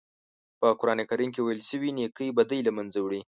په قرآن کریم کې ویل شوي نېکۍ بدۍ له منځه وړي.